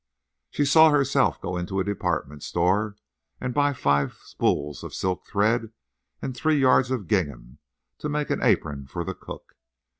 _She saw herself go into a department store and buy five spools of silk thread and three yards of gingham to make an apron for the cook.